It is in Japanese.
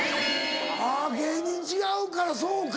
芸人違うからそうか。